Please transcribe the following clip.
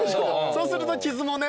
そうすると傷もね